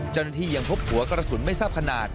เจ้าหน้าที่ยังพบหัวกระสุนไม่ทราบขนาด